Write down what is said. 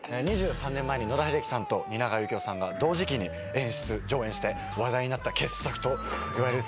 ２３年前に野田秀樹さんと蜷川幸雄さんが同時期に演出上演して話題になった傑作といわれる作品です。